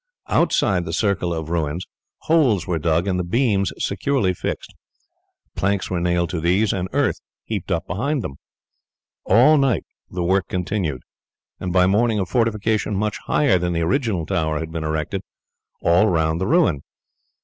Outside the circle of ruins holes were dug and the beams securely fixed. Planks were nailed to these, and earth heaped up behind them. All night the work continued, and by morning a fortification much higher than the original tower had been erected all round the ruin.